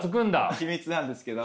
秘密なんですけど。